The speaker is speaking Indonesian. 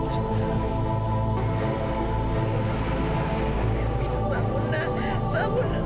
ibu bangunlah ibu bangunlah